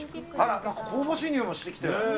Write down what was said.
香ばしい匂いがしてきて。